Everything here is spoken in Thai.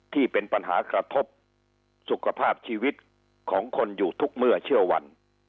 ที่เป็นปัญหากระทบสุขภาพชีวิตของคนอยู่ทุกเมื่อเชื่อวัน